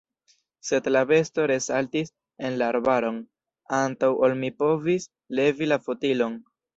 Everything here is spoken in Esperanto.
Sed la besto resaltis en la arbaron, antaŭ ol mi povis levi la fotilon.